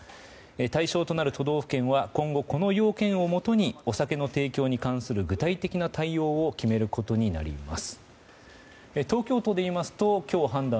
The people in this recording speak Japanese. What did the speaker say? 対象となる都道府県は今後、この要件をもとにお酒の提供に関する具体的な対応を決めることになります。